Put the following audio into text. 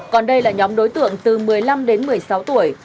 còn đây là nhóm đối tượng từ một mươi năm đến một mươi sáu tuổi